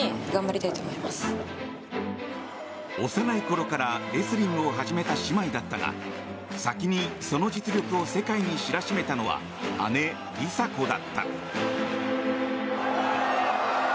幼いころからレスリングを始めた姉妹だったが先にその実力を世界に知らしめたのは姉・梨紗子だった。